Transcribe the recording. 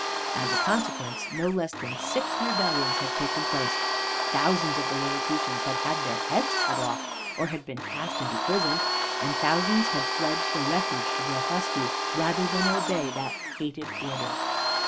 As a consequence no less than six rebellions had taken place: thousands of the Lilliputians had had their heads cut off, or had been cast into prison, and thousands had fled for refuge to Blefuscu, rather than obey the hated order.